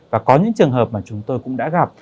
và có những trường hợp mà chúng tôi cũng đã gặp